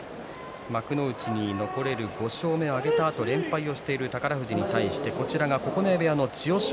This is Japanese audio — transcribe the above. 幕内に残れる５勝目を挙げたあと連敗している宝富士に対して九重部屋の千代翔